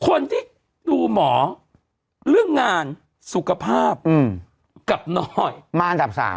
คนที่ดูหมอเรื่องงานสุขภาพกับน้อยมาอันดับ๓